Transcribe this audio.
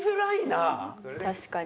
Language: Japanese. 確かに。